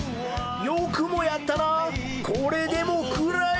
よくもやったな、これでも食らえ！